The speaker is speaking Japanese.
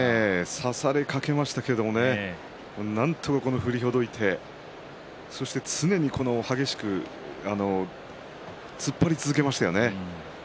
差されかけましたけれどもなんとか振りほどいて常に激しく突っ張り続けましたよね。